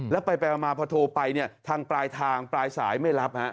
แล้วไปมาพอโทรไปทางปลายทางปลายสายไม่รับ